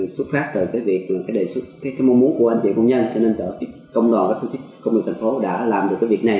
xuất phát từ mong muốn của anh chị công nhân cho nên công đoàn thành phố đã làm được việc này